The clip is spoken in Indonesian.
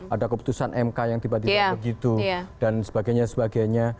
ada keputusan mk yang tiba tiba begitu dan sebagainya sebagainya